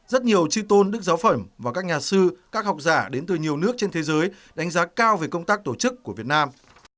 rất nhiều tri tôn đức giáo phẩm và các nhà sư các học giả đến từ nhiều nước trên thế giới đánh giá cao về công tác tổ chức của việt nam